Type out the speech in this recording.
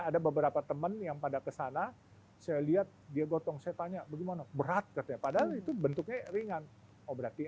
ada beberapa temen yang pada kesana saya lihat dia gotong saya tanya bagaimana berat katanya padahal itu